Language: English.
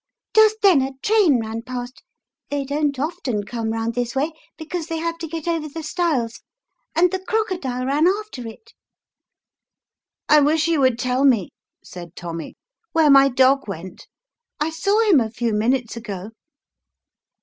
Just then a train ran past (they don't often come round this way, because they have to get over the stiles), and the crocodile ran after it." " I wish you would tell me," said Tommy, " where my dog went; I saw him a few minutes ago."